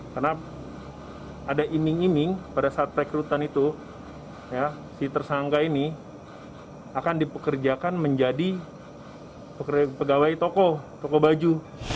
karena ada iming iming pada saat rekrutan itu si tersangka ini akan dipekerjakan menjadi pegawai toko baju